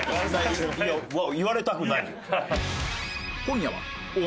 言われたくないよ。